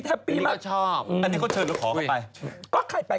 อันนี้เขาเชิญลูกของเขาไป